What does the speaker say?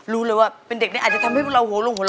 รู้เลยว่าเป็นเด็กนี้อาจจะทำให้เราโหลโหลโหล